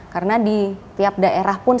karena di tiap daerah pun